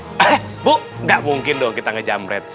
eh bu gak mungkin dong kita ngejamret